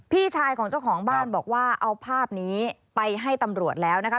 พี่ชายของเจ้าของบ้านบอกว่าเอาภาพนี้ไปให้ตำรวจแล้วนะคะ